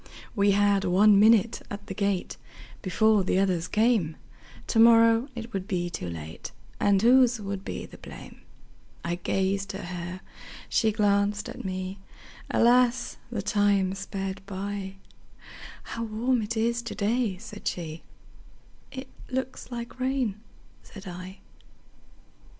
We had one minute at the gate, Before the others came; To morrow it would be too late, And whose would be the blame!I gazed at her, she glanced at me; Alas! the time sped by:"How warm it is to day!" said she;"It looks like rain," said I.